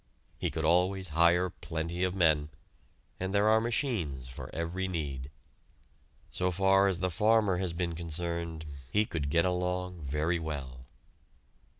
He could always hire plenty of men, and there are machines for every need. So far as the farmer has been concerned, he could get along very well.